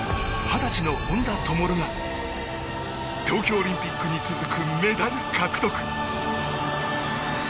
二十歳の本多灯が東京オリンピックに続くメダル獲得。